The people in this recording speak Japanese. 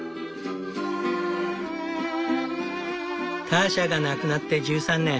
ターシャが亡くなって１３年。